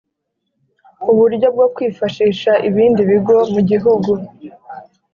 Uburyo bwo kwifashisha ibindi bigo mu gihugu